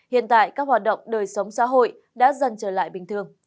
hiện tại các hoạt động đời sống xã hội đã dần trở lại bình thường